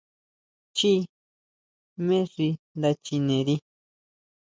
Chjí jmé xi nda chineri.